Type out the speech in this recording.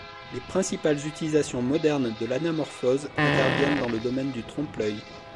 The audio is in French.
Les principales utilisations modernes de l'anamorphose interviennent dans le domaine du trompe-l'œil.